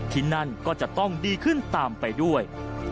ที่นั่นก็จะต้องดีขึ้นตามไปด้วย